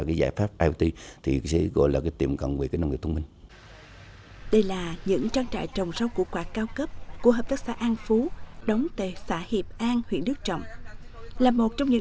kết quả cao cấp của hợp tác xã an phú đóng tại xã hiệp an huyện đức trọng là một trong những